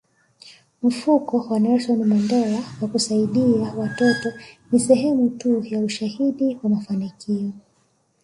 Mfuko wa Nelson Mandela wa kusaidia watoto ni sehemu tu ya ushahidi wa mafanikio